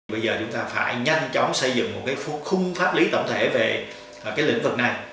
bây giờ chúng ta phải nhanh chóng xây dựng một khung pháp lý tổng thể về lĩnh vực này